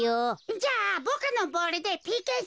じゃあボクのボールでＰＫせんしよう。